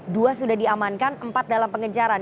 dua sudah diamankan empat dalam pengejaran